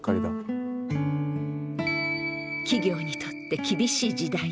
企業にとって厳しい時代。